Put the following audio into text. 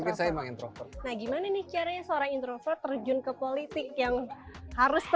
introvert sih saya pikir saya introvert nah gimana nih caranya seorang introvert terjun ke politik yang harusnya itu